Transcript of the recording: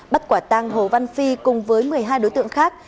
bắt quả tang hồ văn phi cùng với một mươi hai đối tượng khác